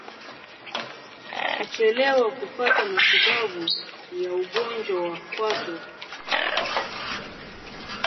Kuchelewa kupata matibabu ya ugonjwa wa kuoza kwato